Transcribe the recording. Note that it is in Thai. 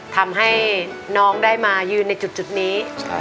ทำให้น้องได้มายืนในจุดนี้